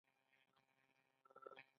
کاناډا خپله خاوره ساتي.